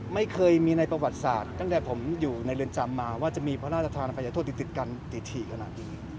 ไม่เคยมีในประวัติศาสตร์ตั้งแต่ผมอยู่ในเรือนจำมาว่าจะมีพระราชทานภัยโทษติดกันติดถี่ขนาดนี้